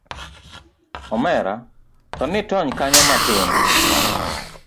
omera to nitony kanyo matin.